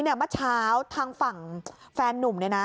เมื่อเช้าทางฝั่งแฟนหนุ่ม